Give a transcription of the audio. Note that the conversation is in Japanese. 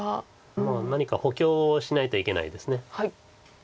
まあ何か補強しないといけないです。